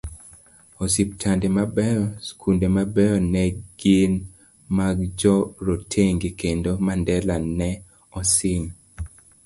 Osiptende mabeyo, skunde mabeyo negin magjorotenge, kendo Mandela ne osin